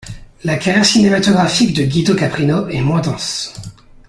La carrière cinématographique de Guido Caprino est moins dense.